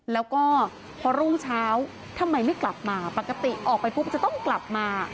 แล้วก็พอรุ่งเช้าทำไมไม่กลับมาปกติออกไปปุ๊บจะต้องกลับมา